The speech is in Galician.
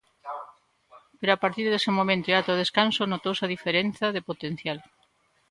Pero a partir dese momento e ata o descanso notouse a diferenza de potencial.